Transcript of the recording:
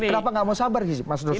kenapa gak mau sabar sih mas doso